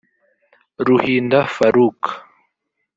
Ruhinda Farouk